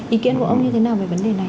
ý kiến của ông như thế nào về vấn đề này